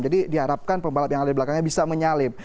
jadi diharapkan pembalap yang ada di belakangnya bisa menyalip